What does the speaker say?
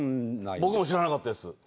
僕も知らなかったです。